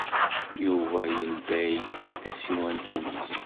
Yuba yeldey-d tasiwant-nnes.